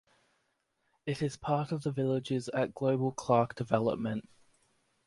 It is part of The Villages at Global Clark development.